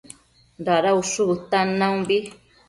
Dada ushu bëtan naumbi